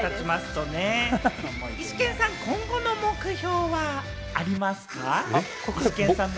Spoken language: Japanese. イシケンさん、今後の目標はありますか？